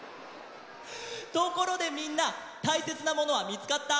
ところでみんなたいせつなものはみつかった？